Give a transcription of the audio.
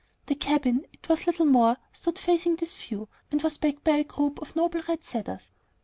The cabin it was little more stood facing this view, and was backed by a group of noble red cedars.